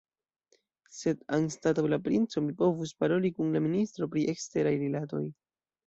Sed anstataŭ la princo, mi povus paroli kun la ministro pri eksteraj rilatoj.